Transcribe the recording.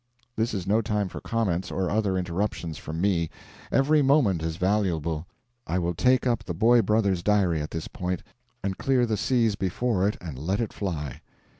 This is no time for comments or other interruptions from me every moment is valuable. I will take up the boy brother's diary at this point, and clear the seas before it and let it fly.